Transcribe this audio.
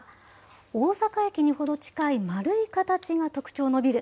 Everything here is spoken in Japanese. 大阪駅にほど近い丸い形が特徴のビル。